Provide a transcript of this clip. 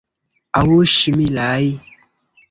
Aŭ ŝlimaj.